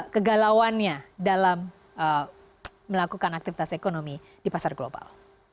kegalauannya dalam melakukan aktivitas ekonomi di pasar global